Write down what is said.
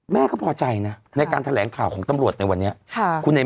แม่เขาพอใจนะในการแถลงข่าวของตำรวจในวันเนี้ยค่ะคุณเนี้ย